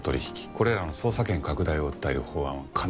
これらの捜査権拡大を訴える法案は必ず通します。